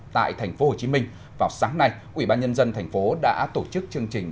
tại tp hcm vào sáng nay ủy ban nhân dân tp hcm đã tổ chức chương trình